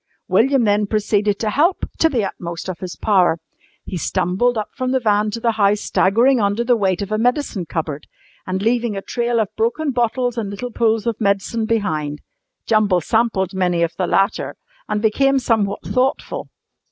William then proceeded to "help" to the utmost of his power. He stumbled up from the van to the house staggering under the weight of a medicine cupboard, and leaving a trail of broken bottles and little pools of medicine behind. Jumble sampled many of the latter and became somewhat thoughtful.